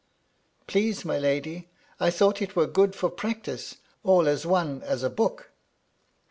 "Please, my lady, I thought it were good for practice, all as one as a book."